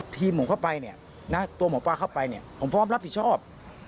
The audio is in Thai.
ทีมผมเข้าไปตัวหม่อป้าเข้าไปผมพร้อมรับผิดชอบ